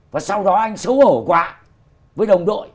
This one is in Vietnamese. và sau đó anh xấu hổ quá với đồng đội